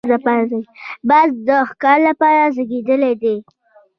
باز د ښکار لپاره زېږېدلی دی